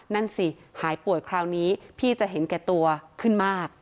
นั่นสิหายป่วยคราวนี้พี่จะเห็นแก่ตัวขึ้นมาก